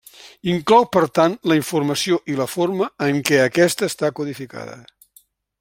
Inclou per tant la informació i la forma en què aquesta està codificada.